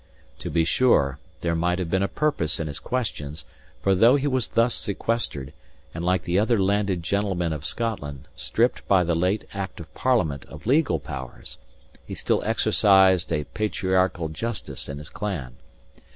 To be sure, there might have been a purpose in his questions; for though he was thus sequestered, and like the other landed gentlemen of Scotland, stripped by the late Act of Parliament of legal powers, he still exercised a patriarchal justice in his clan.